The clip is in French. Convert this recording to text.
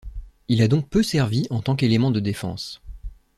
Il a donc peu servi en tant qu'élément de défense.